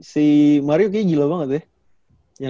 si mario kayaknya gila banget ya